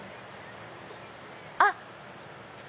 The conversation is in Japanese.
あっ！